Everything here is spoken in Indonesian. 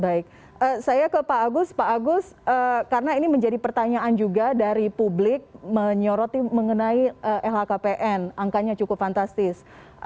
baik saya ke pak agus pak agus karena ini menjadi pertanyaan juga dari publik menyoroti mengenai lhkpn angkanya cukup fantastis